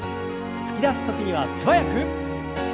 突き出す時には素早く。